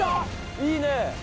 いいね。